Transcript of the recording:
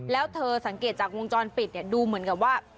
แล้วเธอสังเกตจากวงจรปิดเนี่ยดูเหมือนกับว่า